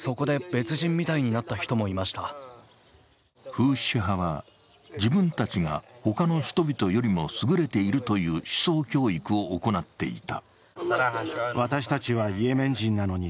フーシ派は自分たちが他の人々よりも優れているという思想教育を行っていた。